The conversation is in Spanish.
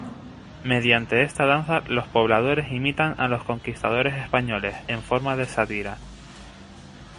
Mediante esta danza los pobladores imitan a los conquistadores españoles, en forma de sátira.